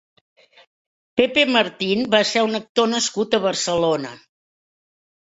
Pepe Martín va ser un actor nascut a Barcelona.